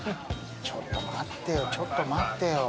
ちょっと待ってよちょっと待ってよ。